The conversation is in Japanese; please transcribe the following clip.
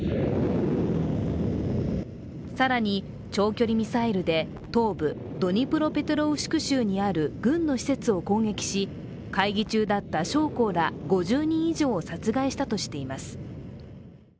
更に、長距離ミサイルで東部ドニプロペトロウシク州にある軍の施設を攻撃し会議中だった将校ら５０人以上を殺害したとしています。